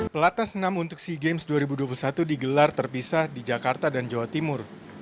pelatnas enam untuk sea games dua ribu dua puluh satu digelar terpisah di jakarta dan jawa timur